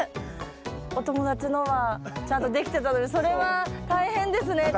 お友達のはちゃんとできてたのにそれは大変ですねちょっと。